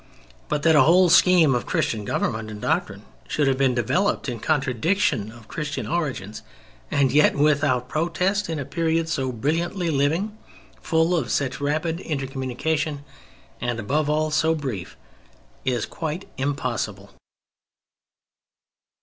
But that a whole scheme of Christian government and doctrine should have developed in contradiction of Christian origins and yet without protest in a period so brilliantly living, full of such rapid intercommunication, and, above all, so brief, is quite impossible.